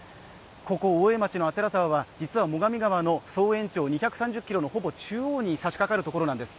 ここ大江町左沢は実は最上川の総延長２３０ｋｍのほぼ中央にさしかかるところなんです。